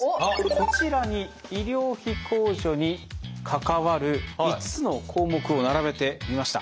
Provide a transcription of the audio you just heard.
こちらに医療費控除に関わる５つの項目を並べてみました。